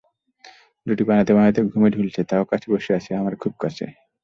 রুটি বানাতে বানাতে ঘুমে ঢুলছে, তাও কাছে বসে আছে, আমার খুব কাছে।